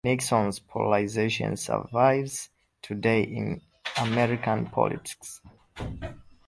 Nixon's polarization survives today in American politics.